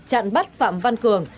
chặn bắt phạm văn cường